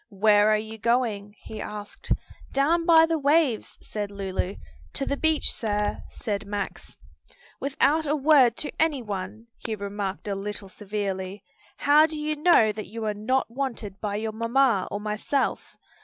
"Where are you going?" he asked. "Down by the waves," said Lulu. "To the beach, sir," said Max. "Without a word to any one!" he remarked a little severely. "How do you know that you are not wanted by your mamma or myself?